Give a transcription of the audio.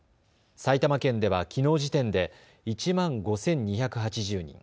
埼玉県ではきのう時点で１万５２８０人。